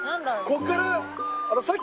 ここから。